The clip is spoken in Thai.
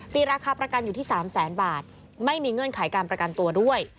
ราคาประกันอยู่ที่๓แสนบาทไม่มีเงื่อนไขการประกันตัวด้วย